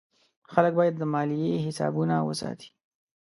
خلک باید د مالیې حسابونه وساتي.